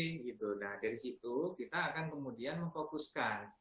nah dari situ kita akan kemudian memfokuskan